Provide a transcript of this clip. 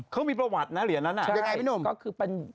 เขามีประวัตินะเหรียญนั้นยังไงพี่หนุ่มก็คือเป็น